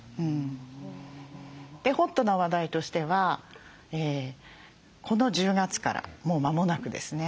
ホットな話題としてはこの１０月からもう間もなくですね